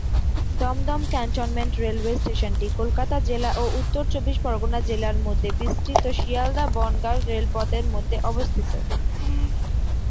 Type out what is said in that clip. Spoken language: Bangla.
দমদম ক্যান্টনমেন্ট রেলওয়ে স্টেশনটি কলকাতা জেলা ও উত্তর চব্বিশ পরগণা জেলার মধ্যে বিস্তৃত শিয়ালদহ বনগাঁ রেলপথের মধ্যে অবস্থিত।